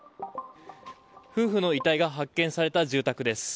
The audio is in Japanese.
夫婦の遺体が発見された住宅です。